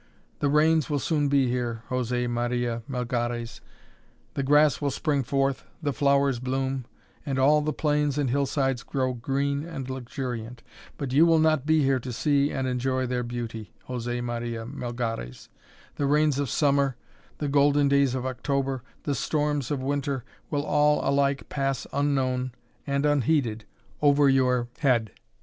The rains will soon be here, José Maria Melgares, the grass will spring forth, the flowers bloom, and all the plains and hillsides grow green and luxuriant. But you will not be here to see and enjoy their beauty, José Maria Melgares. The rains of Summer, the golden days of October, the storms of Winter, will all alike pass unknown and unheeded over your head.